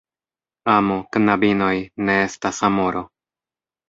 Amo, knabinoj, ne estas Amoro.